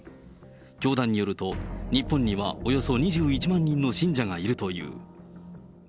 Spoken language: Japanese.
教団によると、日本にはおよそ２１万人の信者がいるという。